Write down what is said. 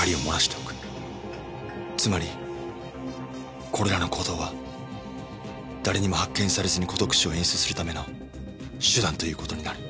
つまりこれらの行動は誰にも発見されずに孤独死を演出するための手段という事になる